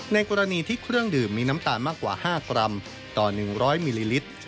ในกรณีที่เครื่องดื่มมีน้ำตาลมากกว่า๕กรัมต่อ๑๐๐มิลลิลิตร